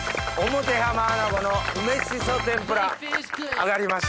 表浜アナゴの梅しそ天ぷら揚がりました。